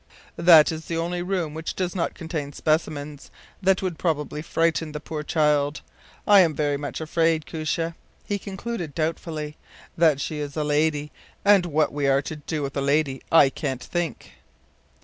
“That is the only room which does not contain specimens that would probably frighten the poor child. I am very much afraid, Koosje,” he concluded, doubtfully, “that she is a lady; and what we are to do with a lady I can’t think.